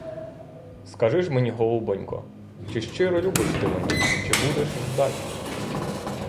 Скажи ж мені, голубонько: чи щиро любиш ти мене, чи будеш ждать?